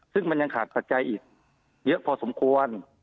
ซึ่งมันยังขาดปัจจัยอีกเยอะพอสมควร